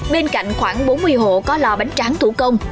bên cạnh khoảng bốn mươi hộ có lò bánh tráng thủ công